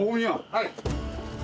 はい。